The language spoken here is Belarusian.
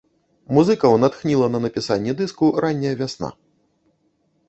Музыкаў натхніла на напісанне дыску ранняя вясна.